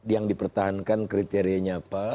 yang dipertahankan kriterianya apa